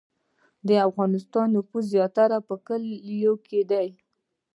د افغانستان نفوس زیاتره په کلیو کې دی